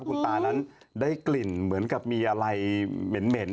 คุณตานั้นได้กลิ่นเหมือนกับมีอะไรเหม็น